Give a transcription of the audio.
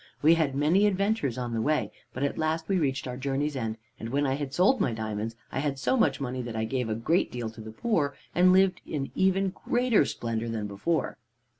We had many adventures on the way, but at last we reached our journey's end, and when I had sold my diamonds, I had so much money that I gave a great deal to the poor, and lived in even greater splendor than before."